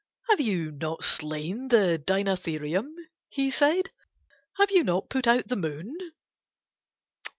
"Have you not slain the Dinatherium?" he said. "Have you not put out the Moon?